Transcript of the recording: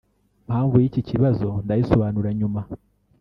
mpamvu y'iki kibazo ndayisobanura nyuma